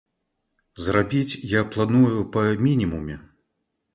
Зарабіць я планую па мінімуме.